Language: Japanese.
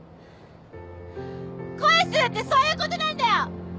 恋するってそういうことなんだよ。